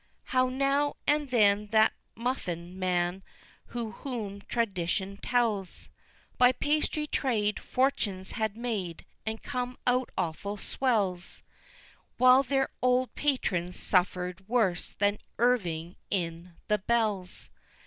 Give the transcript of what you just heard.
How now and then that muffin men of whom tradition tells, By pastry trade, fortunes had made, and come out awful swells, While their old patrons suffered worse than Irving in "The Bells!"